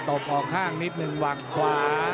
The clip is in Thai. ตบออกข้างนิดนึงวางขวา